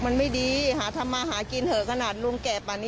มันไม่ดีหาทำมาหากินเถอะขนาดลุงแก่ป่านี้